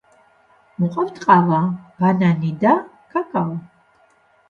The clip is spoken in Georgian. მოყავთ ყავა, ბანანი და კაკაო.